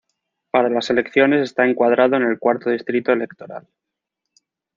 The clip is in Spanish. Para las elecciones está encuadrado en el Cuarto Distrito Electoral.